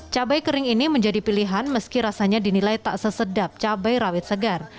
cabai kering ini menjadi pilihan meski rasanya dinilai tak sesedap cabai rawit segar